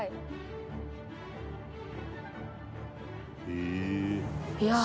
「へえ」